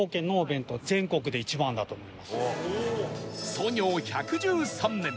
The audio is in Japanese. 創業１１３年